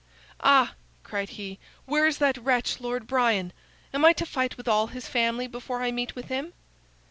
"Ah!" cried he, "where is that wretch, Lord Brian? Am I to fight with all his family before I meet with him?"